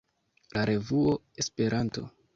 la revuo Esperanto.